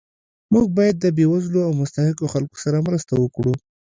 موږ باید د بې وزلو او مستحقو خلکو سره مرسته وکړو